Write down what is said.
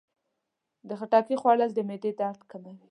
د خټکي خوړل د معدې درد کموي.